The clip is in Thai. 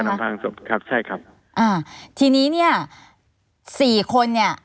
ร่วมกันอำพลังศพครับใช่ครับอ่าทีนี้เนี่ยสี่คนเนี่ย